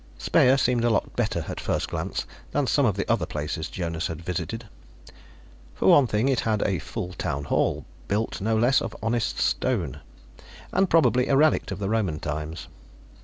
Speyer seemed a lot better, at first glance, than some of the other places Jonas had visited. For one thing, it had a full town hall, built no less of honest stone, and probably a relict of the Roman times.